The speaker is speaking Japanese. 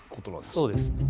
そうです。